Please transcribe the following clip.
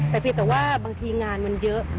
แต่เพียงแต่ว่าบางทีงานมันเยอะ